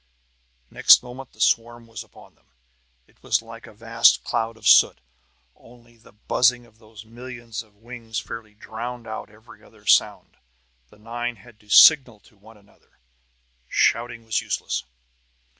Next moment the swarm was upon them. It was like a vast cloud of soot; only, the buzzing of those millions of wings fairly drowned out every other sound. The nine had to signal to one another; shouting was useless.